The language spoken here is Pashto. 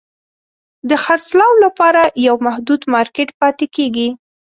د خرڅلاو لپاره یو محدود مارکېټ پاتې کیږي.